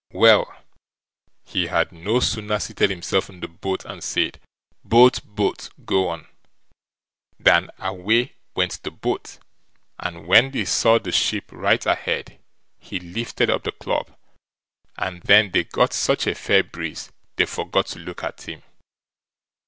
Well, he had no sooner seated himself in the boat, and said, Boat, boat, go on! than away went the boat, and when he saw the ship right ahead he lifted up the club, and then they got such a fair breeze, they forgot to look at him.